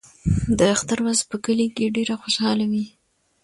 د اختر ورځ په کلي کې ډېره خوشحاله وي.